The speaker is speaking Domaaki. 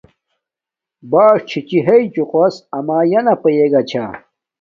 باݽ چھی ہݶ چوقس اما یانا پہے گا چھا